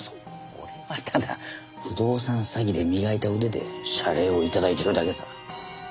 俺はただ不動産詐欺で磨いた腕で謝礼を頂いているだけさ。